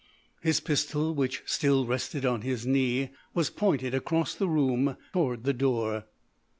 His pistol, which still rested on his knee, was pointed across the room, toward the door.